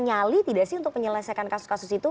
nyali tidak sih untuk menyelesaikan kasus kasus itu